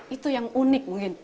itu yang unik mungkin